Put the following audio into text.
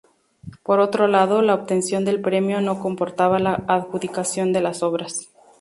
Por otro lado, la obtención del premio no comportaba la adjudicación de las obras.